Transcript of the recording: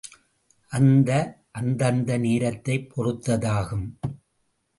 அது, அந்தந்த நேரத்தைப் பொறுத்ததாகும்.